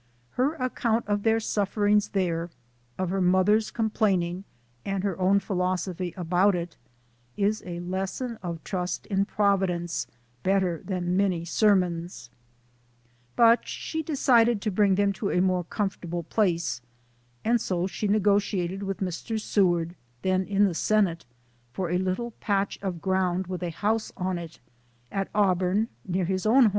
Her account of their sufferings there of her mother's complain ing and her own philosophy about it is a lesson of trust in Providence better than many sermons. But she decided to bring them to a more comforta ble place, and so s.he negotiated with Mr. Seward then in the Senate for a little patch of ground with a house on it, at Auburn, near his own home.